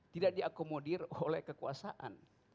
tidak diakomodir oleh kekuasaan